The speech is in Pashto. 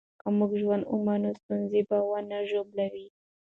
که موږ ژوند ومنو، ستونزې به موږ ونه ژوبلوي.